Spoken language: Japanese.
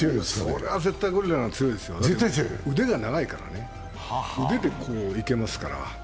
それは絶対ゴリラの方が強いですよね、腕が長いから腕でこう、いけますから。